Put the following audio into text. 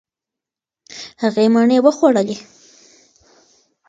هغې مڼې وخوړلې.